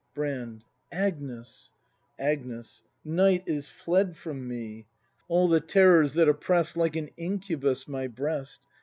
Brand. Agnes ! Agnes. Nicrht is fled from me! All the terrors that oppress'd Like an incubus my breast.